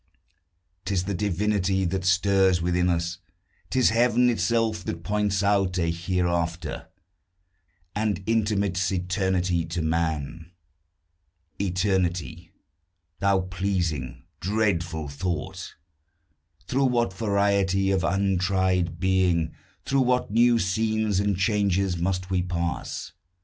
'Tis the divinity that stirs within us; 'Tis Heaven itself, that points out a hereafter, And intimates eternity to man. Eternity! thou pleasing, dreadful thought! Through what variety of untried being, Through what new scenes and changes, must we pass!